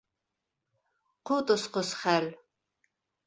Ҡот осҡос хәл!